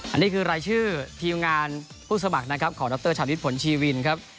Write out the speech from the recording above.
อันนี้คือรายชื่อทีมงานผู้สมัครนะครับของดรชาวิทย์ผลชีวินครับ